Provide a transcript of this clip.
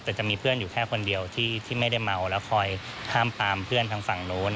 แต่จะมีเพื่อนอยู่แค่คนเดียวที่ไม่ได้เมาแล้วคอยห้ามปามเพื่อนทางฝั่งโน้น